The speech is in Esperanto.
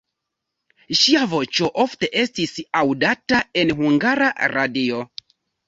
Ŝia voĉo ofte estis aŭdata en Hungara Radio.